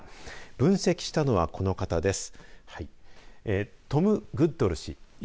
分析したのは、この方です。